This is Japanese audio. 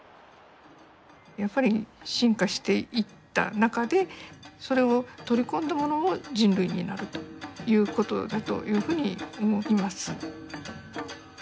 やっぱり進化していった中でそれを取り込んだものも人類になるということだというふうに思います。